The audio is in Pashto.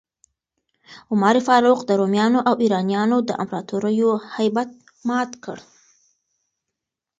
عمر فاروق د رومیانو او ایرانیانو د امپراتوریو هیبت مات کړ.